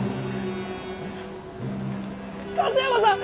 勝山さん